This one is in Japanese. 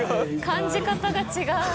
感じ方が違う。